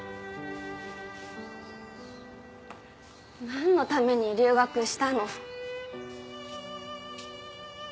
なんのために留学したの？